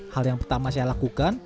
hal yang pertama saya lakukan